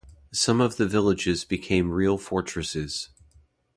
Some of the villages became real fortresses.